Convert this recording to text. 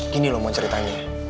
gini lo mau ceritanya